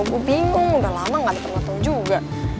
gue bingung udah lama gak ada temen lo juga